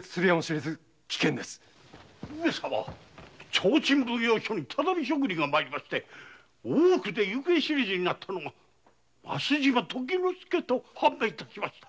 提灯奉行所に畳職人が参りまして大奥で行方知れずになったのが増島時之介と判明しました！